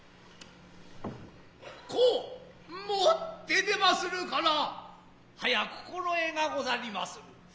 斯う持って出まするからハヤ心得がござりまする。